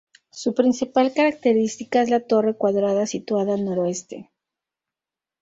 Su principal característica es la torre cuadrada situada al noroeste.